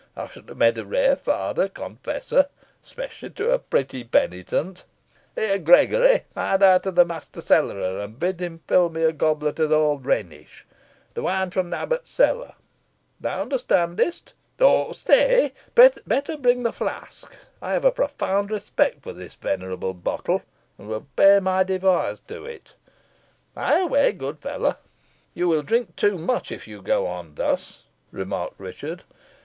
I should have made a rare father confessor especially to a pretty penitent. Here, Gregory, hie thee to the master cellarer, and bid him fill me a goblet of the old Rhenish the wine from the abbot's cellar. Thou understandest or, stay, better bring the flask. I have a profound respect for the venerable bottle, and would pay my devoirs to it. Hie away, good fellow!" "You will drink too much if you go on thus," remarked Richard.